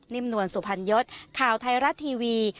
นิ่มนวลสุภัญญชย์ข่าวไทยรัสทีวี